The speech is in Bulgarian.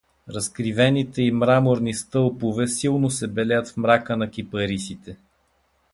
Разкривените и мраморни стълпове силно се белеят в мрака на кипарисите.